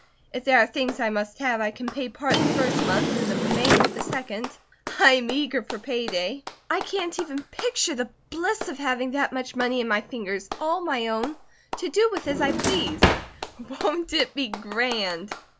If there are things I must have, I can pay part the first month and the remainder the second. I am eager for pay day. I can't even picture the bliss of having that much money in my fingers, all my own, to do with as I please. Won't it be grand?"